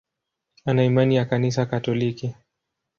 Ana imani ya Kanisa Katoliki.